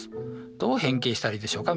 どう変形したらいいでしょうか？